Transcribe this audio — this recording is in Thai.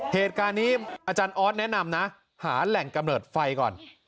เหตุการณ์นี้อาจารย์ออสแนะนำนะหาแหล่งกำเนิดไฟก่อน